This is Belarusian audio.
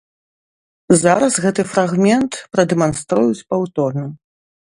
Зараз гэты фрагмент прадэманструюць паўторна.